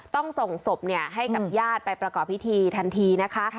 ต้องส่งศพให้กับญาติไปประกอบพิธีทันทีนะคะ